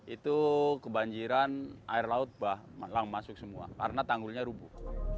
itu kebanjiran air laut langsung masuk semua karena tanggulnya rubuh